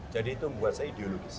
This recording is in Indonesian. jadi itu membuat saya ideologis